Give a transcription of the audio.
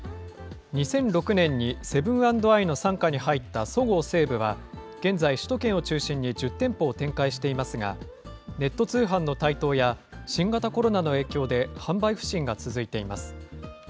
２００６年にセブン＆アイの傘下に入ったそごう・西武は、現在、首都圏を中心に１０店舗を展開していますが、ネット通販の台頭や、新型コロナの影響で販売不振が続いています。